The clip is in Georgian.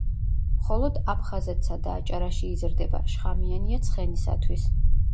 მხოლოდ აფხაზეთსა და აჭარაში იზრდება, შხამიანია ცხენისათვის.